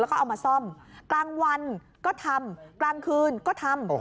แล้วก็เอามาซ่อมกลางวันก็ทำกลางคืนก็ทำ